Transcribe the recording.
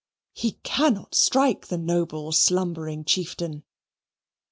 He cannot strike the noble slumbering chieftain.